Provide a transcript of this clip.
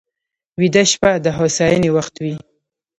ویده شپه د هوساینې وخت وي